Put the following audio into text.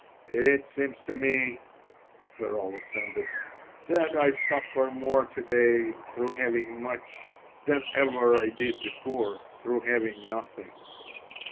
It seems to me," Pheraulas ended, "that I suffer more to day through having much than ever I did before through having nothing."